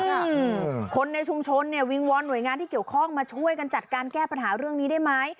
อืมคนในชุมชนเนี่ยวิงวอนหน่วยงานที่เกี่ยวข้องมาช่วยกันจัดการแก้ปัญหาเรื่องนี้ได้ไหม